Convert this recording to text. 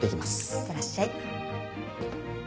いってらっしゃい。